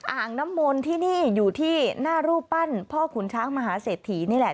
อ่างน้ำมนต์ที่นี่อยู่ที่หน้ารูปปั้นพ่อขุนช้างมหาเศรษฐีนี่แหละ